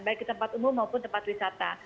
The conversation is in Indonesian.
baik di tempat umum maupun tempat wisata